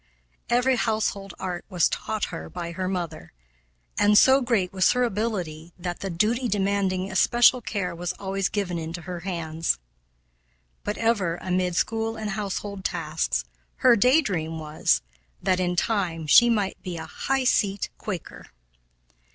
Every household art was taught her by her mother, and so great was her ability that the duty demanding especial care was always given into her hands. But ever, amid school and household tasks, her day dream was that, in time, she might be a "high seat" Quaker.